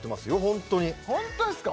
ホントにホントですか？